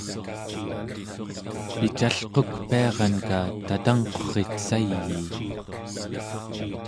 picalqukpiaranka tatangqurrit sayiit